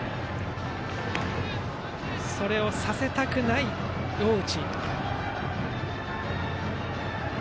それをさせたくない大内。